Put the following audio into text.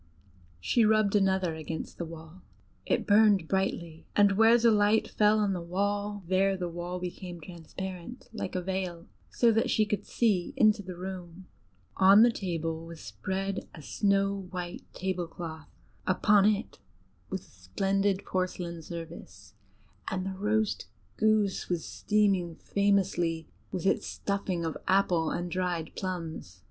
She rubbed another against the wall: it burned brightly, and where the light fell on the wall, there the wall became transparent like a veil, so that she could see into the room. On the table was spread a snow white tablecloth; upon it was a splendid porcelain service, and the roast goose was steaming famously with its stuffing of apple and dried plums.